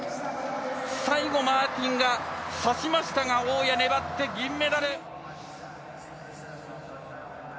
最後マーティンがさしましたが大矢勇気、粘って銀メダル！